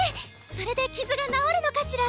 それで傷が治るのかしら？